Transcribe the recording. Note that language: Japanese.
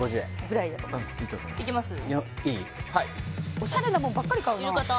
おしゃれなもんばっかり買うないる方？